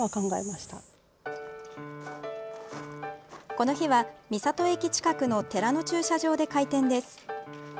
この日は、三郷駅近くの寺の駐車場で開店です。